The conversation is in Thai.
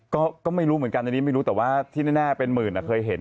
ก็ไม่รู้เหมือนกันอันนี้ไม่รู้แต่ว่าที่แน่เป็นหมื่นเคยเห็น